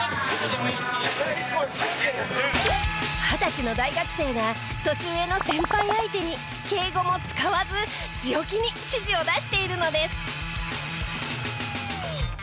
二十歳の大学生が年上の先輩相手に敬語も使わず強気に指示を出しているのです。